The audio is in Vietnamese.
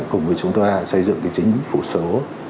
cùng với chúng tôi xây dựng cái chính phủ số